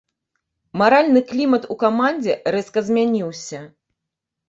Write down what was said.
Маральны клімат у камандзе рэзка змяніўся.